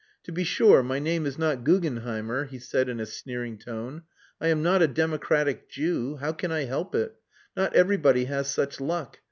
"To be sure my name is not Gugenheimer," he said in a sneering tone. "I am not a democratic Jew. How can I help it? Not everybody has such luck.